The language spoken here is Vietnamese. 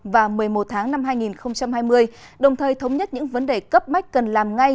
và một mươi một tháng năm hai nghìn hai mươi đồng thời thống nhất những vấn đề cấp mách cần làm ngay